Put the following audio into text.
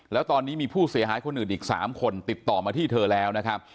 แล้วตอนนี้มีผู้เสียหายคนอื่นอีก๓คนติดต่อมาที่เธอแล้วนะครับ